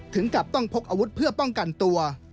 ถึงกับต้องพกอาวุธเพื่อป้องกันตัว